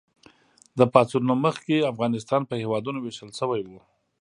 د پاڅون نه مخکې افغانستان په هېوادونو ویشل شوی و.